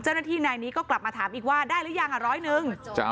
เจ้าหน้าที่นายนี้ก็กลับมาถามอีกว่าได้หรือยังร้อยหนึ่ง